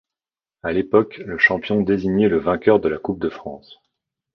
À l'époque, le champion désignait le vainqueur de la Coupe de France.